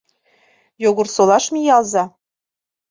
Йогорсолаш миялза.